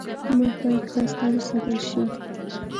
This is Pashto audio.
موټر باید ښایسته وساتل شي.